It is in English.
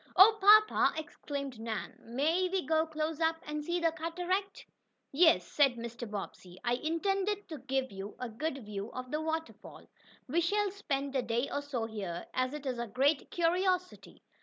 "Oh, papa!" exclaimed Nan. "May we go close up and see the cataract?" "Yes," said Mr. Bobbsey. "I intended to give you a good view of the waterfall. We shall spend a day or so here, as it is a great curiosity.